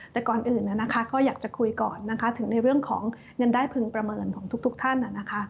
แต่ก่อนอื่นก็อยากจะคุยก่อนถึงในเรื่องของเงินได้พึงประเมินของทุกท่าน